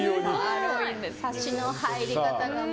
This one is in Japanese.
サシの入り方が、もう。